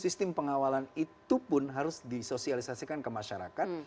sistem pengawalan itu pun harus disosialisasikan ke masyarakat